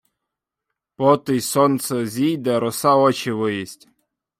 Потий сонце зійде — роса очи виїсть.